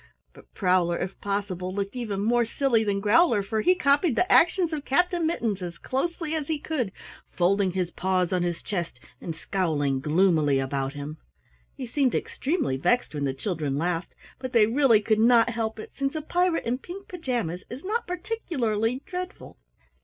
But Prowler, if possible, looked even more silly than Growler, for he copied the actions of Captain Mittens as closely as he could, folding his paws on his chest and scowling gloomily about him. He seemed extremely vexed when the children laughed, but they really could not help it, since a pirate in pink pajamas is not particularly dreadful.